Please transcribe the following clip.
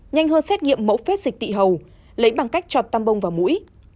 nhanh hơn xét nghiệm mẫu phép dịch tị hầu lấy bằng cách trọt tăm bông vào mũi